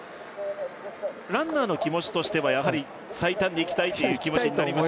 ランナーの気持ちとしてはやはり最短でいきたいという気持ちになります？